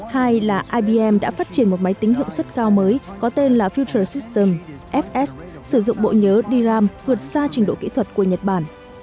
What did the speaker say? hai là ibm đã phát triển một máy tính hậu suất cao mới có tên là future system fs sử dụng bộ nhớ dram vượt xa trình độ kỹ thuật của nhật bản